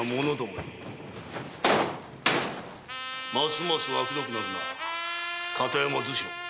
ますますあくどくなるな片山図書。